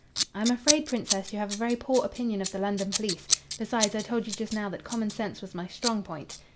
"I am afraid, Princess, you have a very poor opinion of the London police. Besides, I told you just now that common sense was my strong point."